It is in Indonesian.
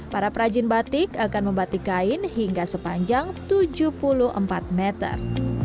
para perajin batik akan membatik kain hingga sepanjang tujuh puluh empat meter